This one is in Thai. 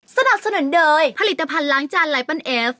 สนับสนุนโดยผลิตภัณฑ์ล้างจานไลปั้นเอฟ